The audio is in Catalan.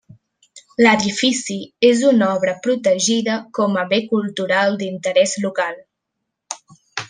L'edifici és una obra protegida com a Bé Cultural d'Interès Local.